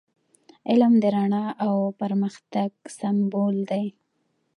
علم د رڼا او پرمختګ سمبول دی.